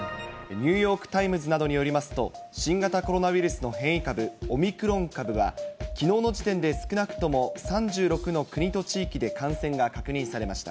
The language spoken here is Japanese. ニューヨークタイムズなどによりますと、新型コロナウイルスの変異株、オミクロン株は、きのうの時点で少なくとも３６の国と地域で感染が確認されました。